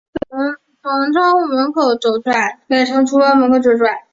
从厨房门口走出来